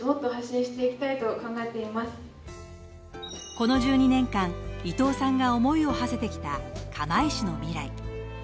この１２年間、伊藤さんが思いをはせてきた釜石市の未来。